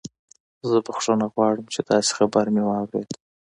زه بخښنه غواړم چې داسې خبر مې واورید